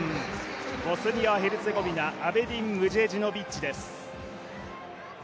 ボスニア・ヘルツェゴビナアベディン・ムジェジノビッチです。